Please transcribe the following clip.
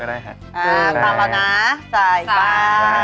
อ๋อถ้าเกิดถ้าเรานะใส่ก่อนอะใส่